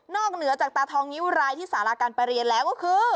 เหนือจากตาทองนิ้วรายที่สาราการประเรียนแล้วก็คือ